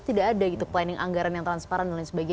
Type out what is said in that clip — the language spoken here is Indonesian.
tidak ada itu planning anggaran yang transparan